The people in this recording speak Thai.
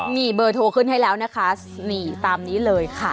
มีเบอร์โทรขึ้นให้แล้วนะคะนี่ตามนี้เลยค่ะ